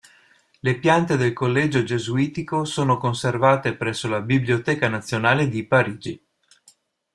Le piante del collegio gesuitico sono conservate presso la Biblioteca Nazionale di Parigi.